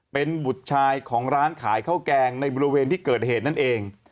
เป็นบุตรชายของร้านขายข้าวแกงในบริเวณที่เกิดเหตุนั่นเอง